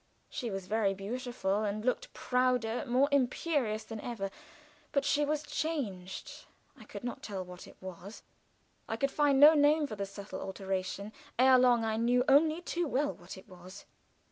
She was very beautiful, and looked prouder and more imperious than ever. But she was changed. I could not tell what it was. I could find no name for the subtle alteration; ere long I knew only too well what it was.